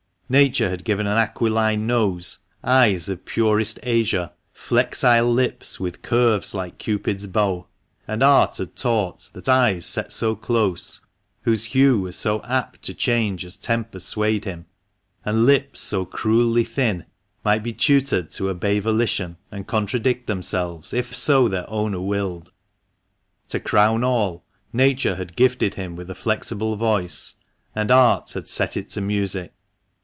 Nature had given an aquiline nose, eyes of purest azure, flexile lips with curves like Cupid's bow; and art had taught that eyes set so close, whose hue was so apt to change as temper swayed him, and lips so cruelly thin, might be tutored to obey volition, and contradict themselves, if so their owner willed. To crown all, Nature had gifted him with a flexible voice, and art had set it to music.